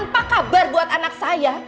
dan tanpa kabar buat anak saya